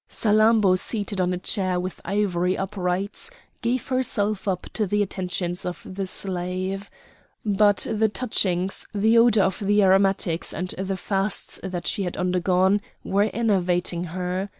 Salammbô seated on a chair with ivory uprights, gave herself up to the attentions of the slave. But the touchings, the odour of the aromatics, and the fasts that she had undergone, were enervating her.